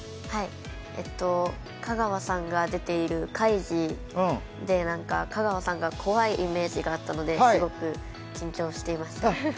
香川さんが出ている「カイジ」で香川さんが怖いイメージがあったのですごく緊張していました。